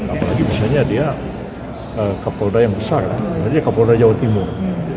apalagi misalnya dia kapoda yang besar kapoda jawa timur